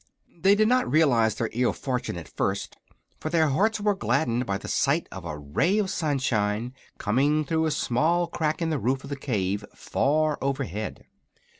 They did not realize their ill fortune at first, for their hearts were gladdened by the sight of a ray of sunshine coming through a small crack in the roof of the cave, far overhead.